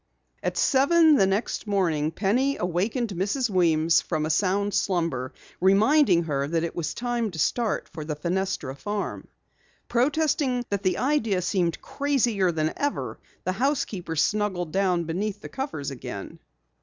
At seven the next morning Penny awakened Mrs. Weems from a sound slumber, reminding her that it was time to start for the Fenestra farm. Protesting that the idea seemed crazier than ever, the housekeeper snuggled down beneath the covers again.